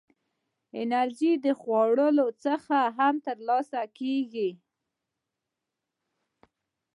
انرژي د خوړو څخه هم ترلاسه کېږي.